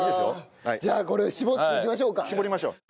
じゃあこれを搾っていきましょうか。